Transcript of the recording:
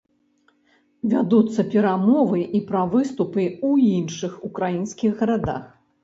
Вядуцца перамовы і пра выступы ў іншых украінскіх гарадах.